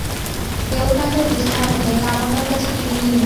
এও তাঁকে বুঝতে হবে যে, লাবণ্যর কাছে তিনি ঋণী।